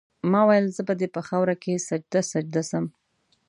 ما ویل زه به دي په خاوره کي سجده سجده سم